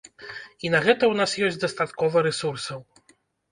І на гэта ў нас ёсць дастаткова рэсурсаў.